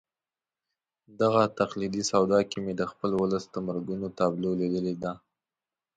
دغه تقلیدي سودا کې مې د خپل ولس د مرګونو تابلو لیدلې ده.